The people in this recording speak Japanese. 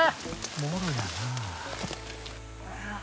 もろやなあ。